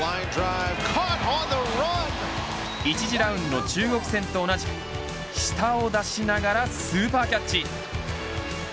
１次ラウンド中国戦と同じく舌を出しながらスーパーキャッチ。